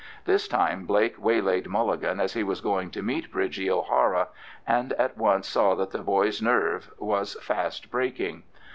This time Blake waylaid Mulligan as he was going to meet Bridgie O'Hara, and at once saw that the boy's nerve was fast breaking.